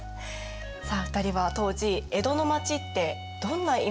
さあ２人は当時江戸の町ってどんなイメージ持ってますか？